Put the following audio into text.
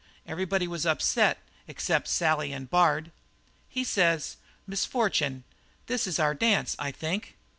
Everybody was upset, except Sally and Bard. "He says: 'Miss Fortune, this is our dance, I think.'